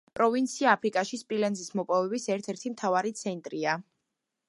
პროვინცია აფრიკაში სპილენძის მოპოვების ერთ-ერთი მთავარი ცენტრია.